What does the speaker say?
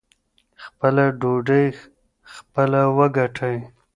خپله ډوډۍ خپله وګټئ.